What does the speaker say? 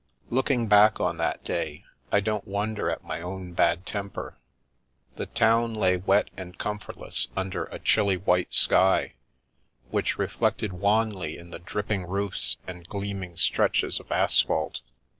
Looking back on that day, I don't wonder at my own bad temper. The town lay wet and comfortless under a chilly, white sky, which reflected wanly in the dripping roofs and gleaming stretches of asphalt.